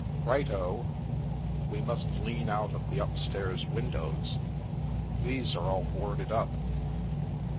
"Right of We must lean out of the upstairs win dows ; these are all boarded up."